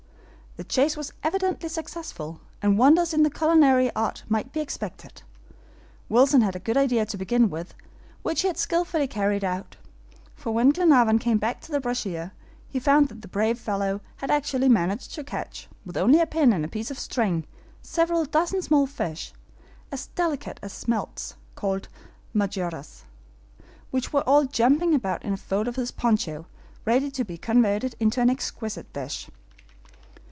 The chase was evidently successful, and wonders in culinary art might be expected. Wilson had a good idea to begin with, which he had skilfully carried out; for when Glenarvan came back to the brasier, he found that the brave fellow had actually managed to catch, with only a pin and a piece of string, several dozen small fish, as delicate as smelts, called MOJARRAS, which were all jumping about in a fold of his poncho, ready to be converted into an exquisite dish.